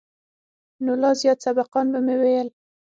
نو لا زيات سبقان به مې ويل.